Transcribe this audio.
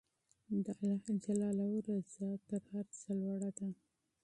د الله رضا تر هر څه لوړه ده.